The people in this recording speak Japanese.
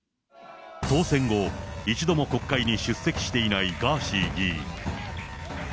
当選後、一度も国会に出席していないガーシー議員。